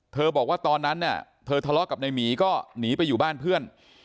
บอกว่าตอนนั้นเนี่ยเธอทะเลาะกับนายหมีก็หนีไปอยู่บ้านเพื่อน